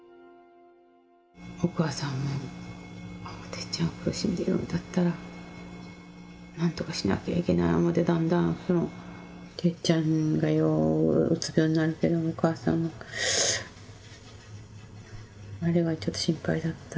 お母さんはてっちゃんが苦しんでるんだったら、なんとかしなきゃいけない思って、だんだん、てっちゃんがよくうつ病になるけども、お母さんもあれがちょっと心配だった。